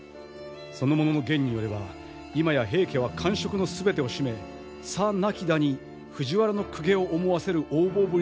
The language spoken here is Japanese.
その者の言によれば今や平家は官職の全てを占めさなきだに藤原の公家を思わせる横暴ぶりだそうだ。